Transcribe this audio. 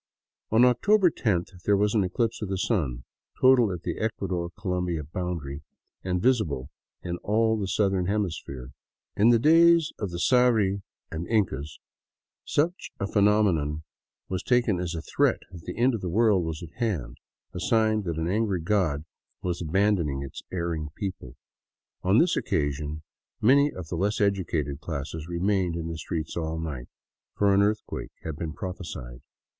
On October tenth there was an eclipse of the sun, total at the Ecuador Colombia boundary, and visible in all the southern hemi sphere. In the days of the Scyri and Incas such a phenomenon was taken as a threat that the end of the world was at hand; a sign that an angry god was abandoning his erring people. On this occasion many of the less educated classes remained in the streets all night, for an earthquake had been prophesied.